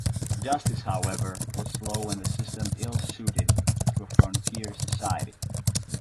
Justice, however, was slow and the system ill-suited to a frontier society.